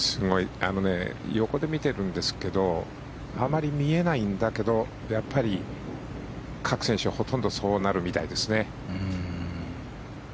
横で見てるんですけどあまり見えないんだけどやっぱり、各選手ほとんどそうなるみたいですね。